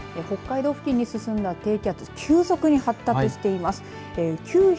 北海道付近に進んだ低気圧急速に発達しています。